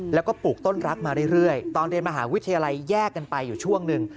แล้วก็ปลูกต้นรักมาเรื่อยตอนเรียนมหาวิทยาลัยแยกกันไปอยู่ช่วงหนึ่ง